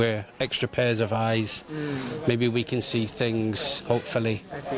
เราเป็นทุกคนที่ต้องเจอ